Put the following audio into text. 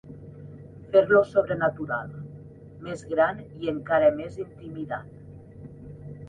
Fer-lo sobrenatural, més gran i encara més intimidant.